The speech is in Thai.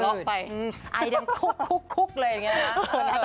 ลองไปมาที่ดิ่งจั้วยเลยนะ